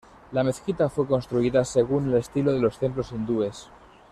La mezquita fue construida según el estilo de los templos hindúes.